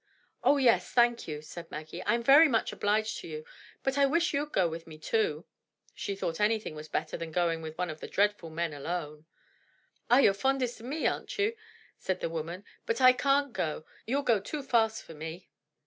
"Oh, yes, thank you," said Maggie, "I'm very much obliged to you, but I wish you'd go with me, too." She thought anything was better than going with one of the dreadful men alone. "Ah, you're fondest o' me, aren't you?" said the woman. "But I can't go. You'll go too fast for me."